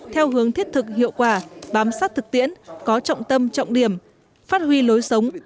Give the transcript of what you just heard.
theo hướng thiết thực hiệu quả bám sát thực tiễn có trọng tâm trọng điểm phát huy lối sống